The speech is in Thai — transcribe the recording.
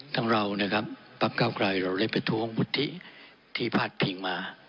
ทั้งเรานะครับปรับเก้ากลายเราเลยไปทวงวุฒิทธิภาษภิกษ์มา